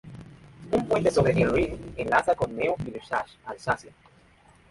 Un puente sobre el Rin enlaza con Neuf-Brisach, Alsacia.